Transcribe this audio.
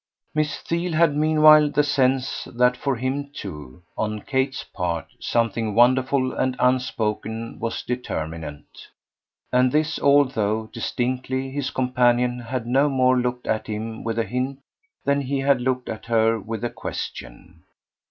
Miss Theale had meanwhile the sense that for him too, on Kate's part, something wonderful and unspoken was determinant; and this although, distinctly, his companion had no more looked at him with a hint than he had looked at her with a question.